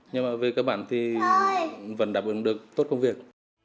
nhưng mà về các bạn thì vẫn đảm bảo được tốt công việc